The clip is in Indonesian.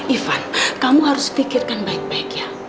ivan kamu harus pikirkan baik baik ya